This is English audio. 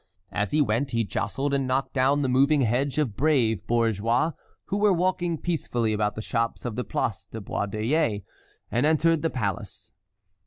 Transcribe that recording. As he went he jostled and knocked down the moving hedge of brave bourgeois who were walking peacefully about the shops of the Place de Baudoyer, and entered the palace.